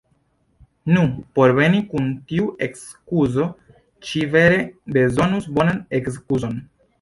Nu, por veni kun tiu ekskuzo ŝi vere bezonus bonan ekskuzon!